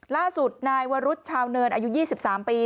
ล่าสุดนายวรุษชาวเนินอายุ๒๓ปี